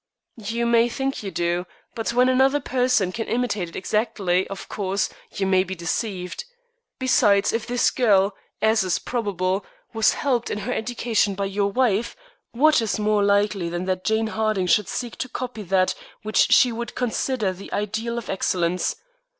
"You may think you do, but when another person can imitate it exactly, of course, you may be deceived. Besides, if this girl, as is probable, was helped in her education by your wife, what is more likely than that Jane Harding should seek to copy that which she would consider the ideal of excellence.